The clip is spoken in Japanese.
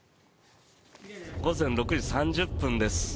午前６時３０分です。